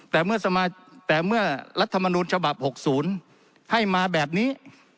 แต่เมื่อรัฐมนูลฉบับ๖๐ให้มาแบบนี้